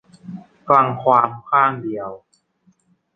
ฟังความข้างเดียว